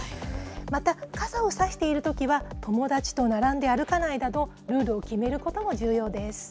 また、傘を差しているときは、友達と並んで歩かないなど、ルールを決めることも重要です。